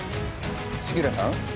杉浦さん？